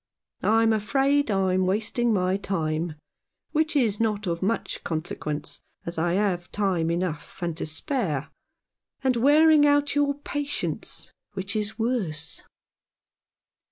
I'm afraid I'm wasting my time, which is not of much consequence, as I have time enough and to spare, and wearing out your patience, which is worse."